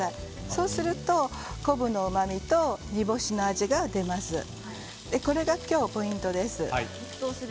そうすると昆布のうまみと煮干しの味が出ます。